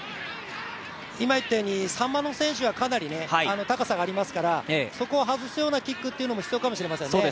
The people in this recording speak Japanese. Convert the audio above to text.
今言ったように３番の選手はかなり高さがありますから、そこを外すようなキックというのも必要かもしれませんね。